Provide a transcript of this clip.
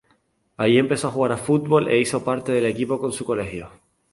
Allí empezó a jugar fútbol e hizo parte del equipo de su colegio.